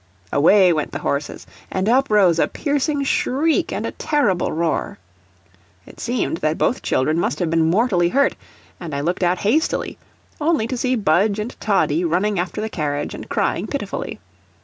Away went the horses, and up rose a piercing shriek and a terrible roar. It seemed that both children must have been mortally hurt, and I looked out hastily, only to see Budge and Toddie running after the carriage, and crying pitifully.